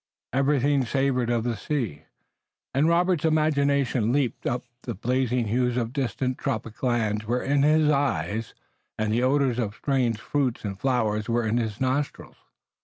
Everything savored of the sea. Again Robert's imagination leaped up. The blazing hues of distant tropic lands were in his eyes, and the odors of strange fruits and flowers were in his nostrils.